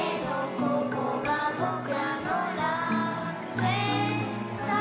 「ここがぼくらの楽園さ」